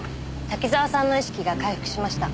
滝沢さんの意識が回復しました。